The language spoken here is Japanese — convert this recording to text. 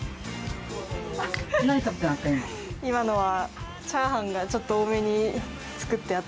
今のは。